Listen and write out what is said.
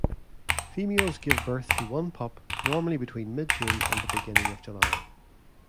Females give birth to one pup, normally between mid-June and the beginning of July.